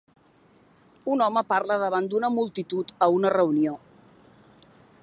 Un home parla davant d'una multitud a una reunió.